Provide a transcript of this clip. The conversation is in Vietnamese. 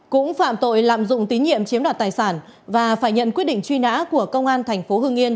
cũng phạm tội lạm dụng tín nhiệm chiếm đoạt tài sản và phải nhận quyết định truy nã của công an thành phố hưng yên